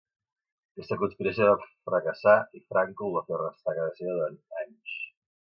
Aquesta conspiració va fracassar i Franco el va fer arrestar a casa seva durant anys.